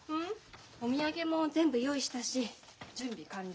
お土産も全部用意したし準備完了。